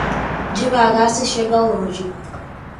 Devagar se chega ao longe.